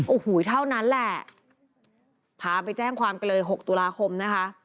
โอ้โหเท่านั้นแหละพาไปแจ้งความกันเลย๖ตุลาคมนะคะ